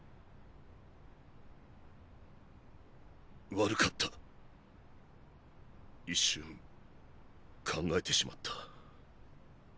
悪かった一瞬考えてしまった。